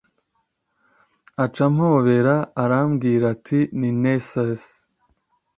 Aca ampobera arambwira ati Ni Nessus